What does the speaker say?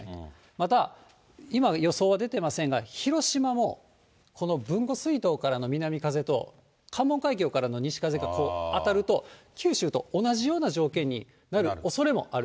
また今、予想は出ていませんが、広島もこの豊後水道からの南風と、関門海峡からの西風がこう、当たると、九州と同じような条件になるおそれもある。